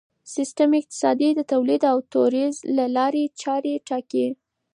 سیستم اقتصادي د تولید او توزیع د لارې چارې ټاکي.